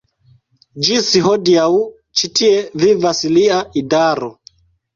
Ĝis hodiaŭ ĉi tie vivas lia idaro.